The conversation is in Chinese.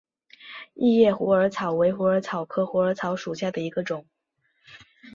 异叶虎耳草为虎耳草科虎耳草属下的一个种。